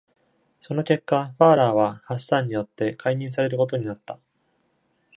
その結果、ファラーはハッサンによって解任されることになった。